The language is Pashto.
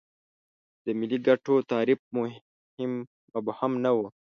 د ملي ګټو تعریف مبهم نه و.